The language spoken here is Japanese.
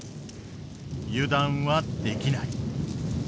油断はできない。